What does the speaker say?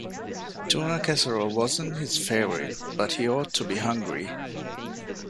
Tuna Casserole wasn't his favorite, but he ought to be hungry